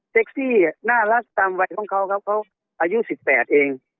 เซ็กซี่น่ารักตามวัยของเขาครับเขาอายุสิบแปดเอง